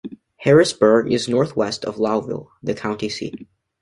Harrisburg is northwest of Lowville, the county seat.